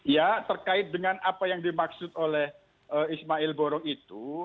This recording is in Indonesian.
ya terkait dengan apa yang dimaksud oleh ismail boro itu